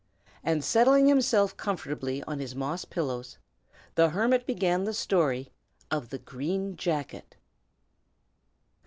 And settling himself comfortably on his moss pillows, the hermit began the story of CHAPTER XIII. GREEN JACKET.